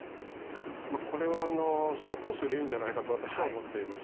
これは相当数いるんじゃないかと私は思っています。